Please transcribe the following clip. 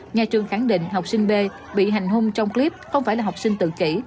nhà trường khẳng định học sinh b bị hành hung trong clip không phải là học sinh tự kỷ